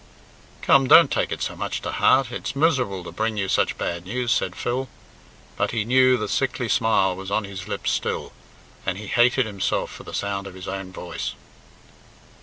"Come, don't take it so much to heart it's miserable to bring you such bad news," said Phil; but he knew the sickly smile was on his lips still, and he hated himself for the sound of his own voice.